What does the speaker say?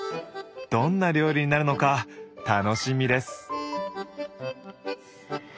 どんな料理になるのか楽しみです。